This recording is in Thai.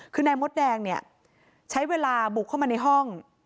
คือนายมดแดงเนี่ยใช้เวลาบุกเข้ามาในห้อง